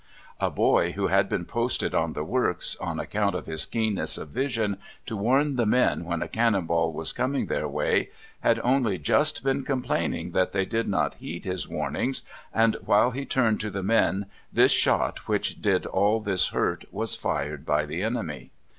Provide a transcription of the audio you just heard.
A boy who had been posted on the works, on account of his keenness of vision, to warn the men when a cannon ball was coming their way, had only just been complaining that they did not heed his warnings, and while he turned to the men this shot which did all this hurt was fired by the enemy.